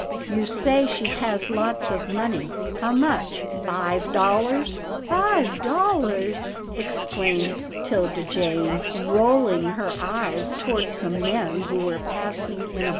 " You say she has lots of money — how much — five dollars ?"" Five dollars !" exclaimed 'Tilda Jane, rolling her eyes toward some men who were passing in a